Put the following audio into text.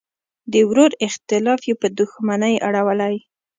د ورور اختلاف یې په دوښمنۍ اړولی.